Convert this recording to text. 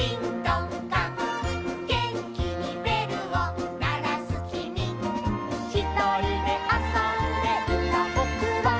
「げんきにべるをならすきみ」「ひとりであそんでいたぼくは」